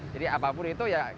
jadi apapun itu ya